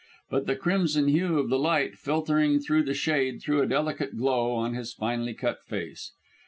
But the crimson hue of the light filtering through the shade threw a delicate glow on his finely cut face.